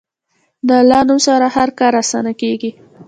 د الله نوم سره هر کار اسانه کېږي.